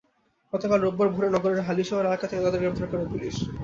গতকাল রোববার ভোরে নগরের হালিশহর এলাকা থেকে তাঁদের গ্রেপ্তার করে পুলিশ।